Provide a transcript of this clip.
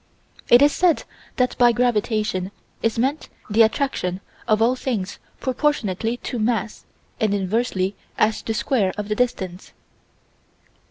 It is said that by gravitation is meant the attraction of all things proportionately to mass and inversely as the square of the distance.